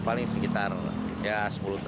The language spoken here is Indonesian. paling sekitar sepuluh truk kan lah paling